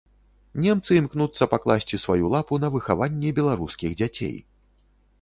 Немцы імкнуцца пакласці сваю лапу на выхаванне беларускіх дзяцей.